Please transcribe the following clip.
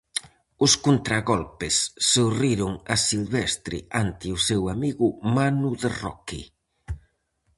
Os contragolpes sorriron a Silvestre ante o seu amigo Manu de Roque.